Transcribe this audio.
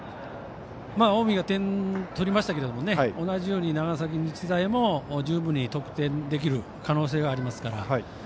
近江が点を取りましたけど同じように長崎日大も十分に得点できる可能性がありますから。